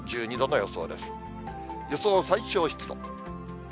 予想最小湿度。